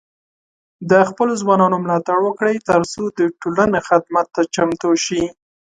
د خپلو ځوانانو ملاتړ وکړئ، ترڅو د ټولنې خدمت ته چمتو شي.